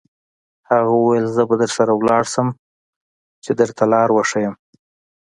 هغه وویل: زه به درسره ولاړ شم، چې درته لار وښیم.